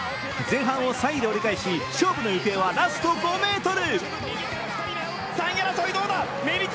前半を３位で折り返し勝負の行方はラスト５ｍ。